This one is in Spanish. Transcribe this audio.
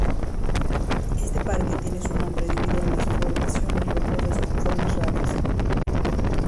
Este parque tiene su nombre debido a las formaciones rocosas con formas raras.